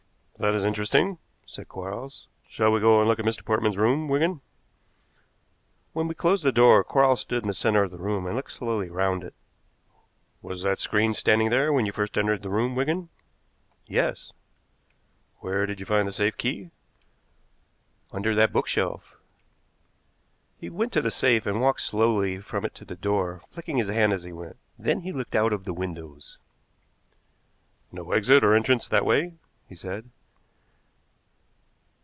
"That is interesting," said Quarles. "Shall we go and look at Mr. Portman's room, Wigan?" When we closed the door Quarles stood in the center of the room and looked slowly round it. "Was that screen standing there when you first entered the room, Wigan?" "Yes." "Where did you find the safe key?" "Under that bookshelf." He went to the safe and walked slowly from it to the door, flicking his hand as he went. Then he looked out of the windows. "No exit or entrance that way," he said.